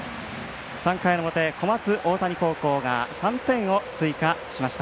３回の表、小松大谷高校が３点を追加しました。